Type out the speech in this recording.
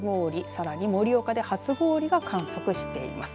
さらに、盛岡で初氷を観測しています。